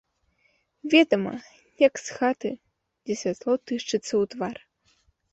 Ведама, як з хаты, дзе святло тышчыцца ў твар.